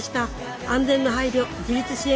安全の配慮自立支援